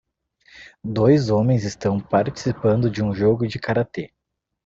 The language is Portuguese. Dois homens estão participando de um jogo de karatê.